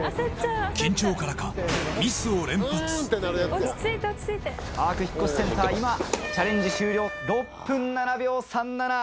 緊張からかミスを連発アーク引越センター今チャレンジ終了。